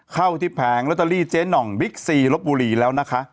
เข้าที่แผงเจนต์นองบิ๊กซีลบบุรีแล้ว